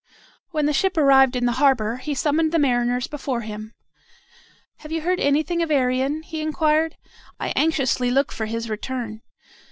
When the ship arrived in the harbor, he summoned the mariners before him. "Have you heard anything of Arion?" he inquired. "I anxiously look for his return."